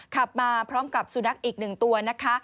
ขับมาพร้อมกับสุนัขอีก๑ตัวนะคะ